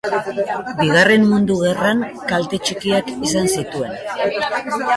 Bigarren Mundu Gerran kalte txikiak izan zituen.